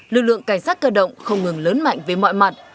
lực lượng cảnh sát cơ động không ngừng lớn mạnh với mọi mặt